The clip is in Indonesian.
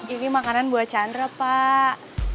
ini makanan buat chandra pak